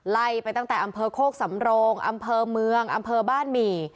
ไล่ไปตั้งแต่อำเภอโคกสำโรงอำเภอเมืองอำเภอบ้านหมี่